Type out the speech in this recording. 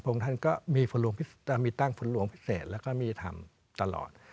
พระองค์ท่านก็มีตั้งฝนหลวงพิเศษและก็มีทำตลอด